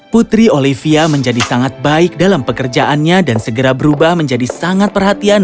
putri olivia menjadi sangat baik dalam pekerjaannya dan segera berubah menjadi sangat perhatian